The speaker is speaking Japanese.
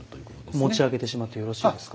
持ち上げてしまってよろしいですか。